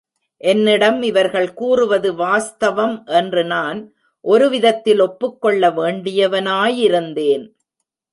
என்னிடம் இவர்கள் கூறுவது வாஸ்தவம் என்று நான் ஒருவிதத்தில் ஒப்புக் கொள்ளவேண்டியவனாயிருந்தேன்.